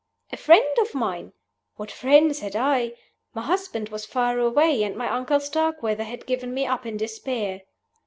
A friend of mine? What friends had I? My husband was far away; and my uncle Starkweather had given me up in despair.